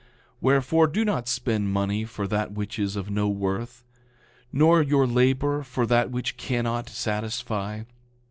9:51 Wherefore, do not spend money for that which is of no worth, nor your labor for that which cannot satisfy.